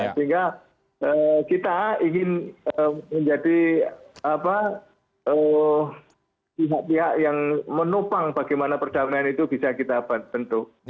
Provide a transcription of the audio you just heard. sehingga kita ingin menjadi pihak pihak yang menopang bagaimana perdamaian itu bisa kita tentu